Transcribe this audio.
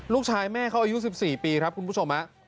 ลูกชายแม่เขาอายุ๑๔ปีครับคุณผู้ชม